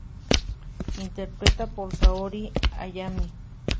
Interpretada por Saori Hayami.